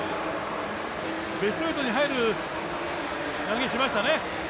ベスト８に入る投げしましたね。